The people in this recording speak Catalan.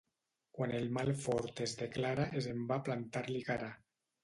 Quan el mal fort es declara és en va plantar-li cara.